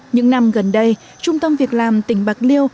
những năm gần đây trung tâm việc làm tỉnh bạc liêu